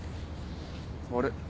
あれ？